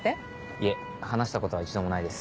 いえ話したことは一度もないです